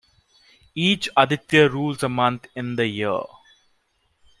Each Aditya rules a month in the year.